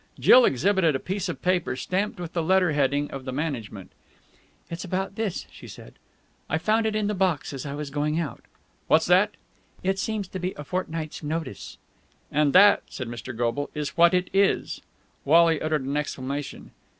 Jill exhibited a piece of paper stamped with the letter heading of the management. "It's about this," she said. "I found it in the box as I was going out." "What's that?" "It seems to be a fortnight's notice." "And that," said Mr. Goble, "is what it is!" Wally uttered an exclamation.